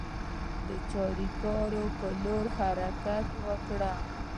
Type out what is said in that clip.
د چاریکار پر لور حرکت وکړ.